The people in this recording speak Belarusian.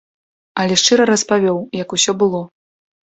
Але шчыра распавёў, як усё было.